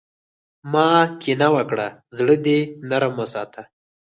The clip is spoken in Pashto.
مه کینه وکړه، زړۀ دې نرم وساته.